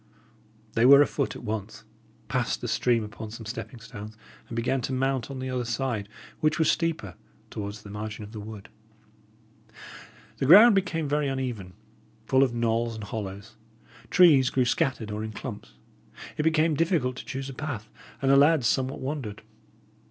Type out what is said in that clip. They were afoot at once, passed the stream upon some stepping stones, and began to mount on the other side, which was steeper, towards the margin of the wood. The ground became very uneven, full of knolls and hollows; trees grew scattered or in clumps; it became difficult to choose a path, and the lads somewhat wandered.